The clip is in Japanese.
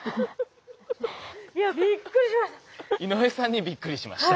いやびっくりしました。